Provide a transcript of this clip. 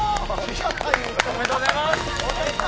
おめでとうございます！